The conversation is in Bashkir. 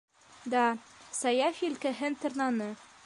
Да, - Саяф елкәһен тырнаны.